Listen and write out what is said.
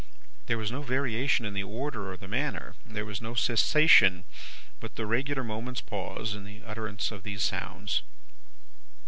There was no variation in the order, or the manner. There was no cessation, but the regular moment's pause, in the utterance of these sounds.